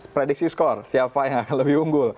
prediksi skor siapa yang akan lebih unggul